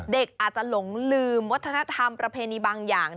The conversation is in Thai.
เด็กอาจจะหลงลืมวัฒนธรรมประเพณีบางอย่าง